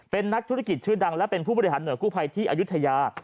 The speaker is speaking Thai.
เป็นนักธุรกิจชื่อดังและเป็นผู้บริหารหน่วยกู้ภัยที่อายุทยา